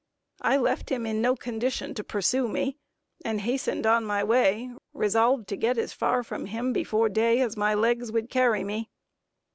I left him in no condition to pursue me, and hastened on my way, resolved to get as far from him before day as my legs would carry me.